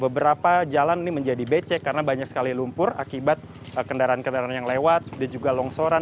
beberapa jalan ini menjadi becek karena banyak sekali lumpur akibat kendaraan kendaraan yang lewat dan juga longsoran